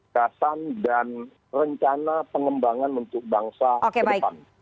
kasan dan rencana pengembangan untuk bangsa ke depan